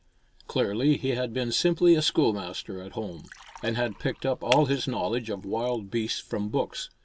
Clearly he had been simply a schoolmaster at home, and had picked up all his knowledge of wild beasts from books.